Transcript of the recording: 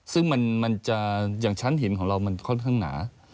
ซึ่งมันจะอย่างชั้นหินของเรามันค่อนข้างหนา